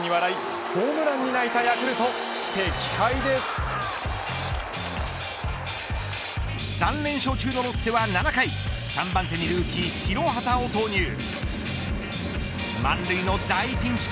ホームランに笑いホームランに泣いたヤクルト３連勝中のロッテは、７回３番手にルーキー廣畑を投入。